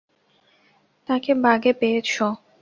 তাকে বাগে পেয়েছো।